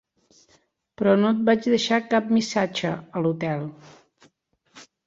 Però no et vaig deixar cap missatge, a l'hotel.